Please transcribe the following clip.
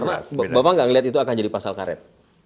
karena bapak gak ngelihat itu akan jadi pasal karet